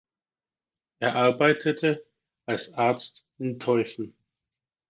Er arbeitete als Arzt in Teufen.